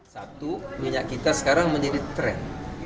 satu minyak kita sekarang menjadi tren